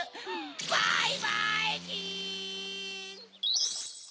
バイバイキン！